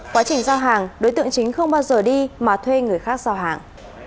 quá trình giao hàng đối tượng chính không bao giờ đi mà thuê người khác giao hàng